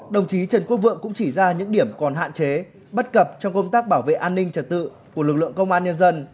đồng chí trần quốc vượng cũng chỉ ra những điểm còn hạn chế bất cập trong công tác bảo vệ an ninh trật tự của lực lượng công an nhân dân